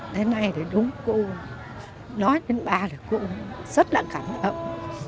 thế này thì đúng cô nói đến bà là cô rất là cảm động